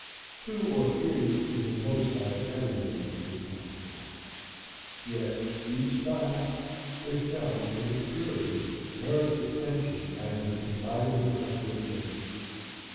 (Two or three is the most I have ever been able to account for.) Yet each style, if found in its purity, merits attention as an embodiment of good taste.